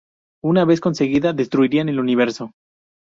Una vez conseguida, destruirán el universo.